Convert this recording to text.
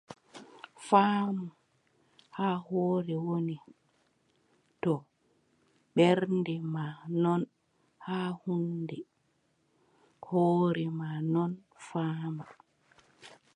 Faamu haa hoore woni, to ɓernde maa non haa huunde, hoore maa non faama.